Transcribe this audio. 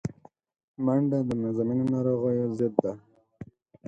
منډه د مزمنو ناروغیو ضد ده